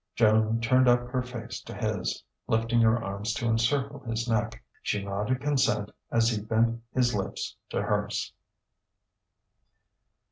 Joan turned up her face to his, lifting her arms to encircle his neck. She nodded consent as he bent his lips to hers.